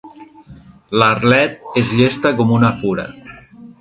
L'Arlet és llesta com una fura.